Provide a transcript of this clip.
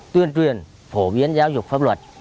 tuyên truyền phổ biến giáo dục pháp luật